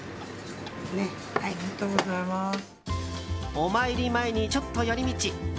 お参り前にちょっと寄り道。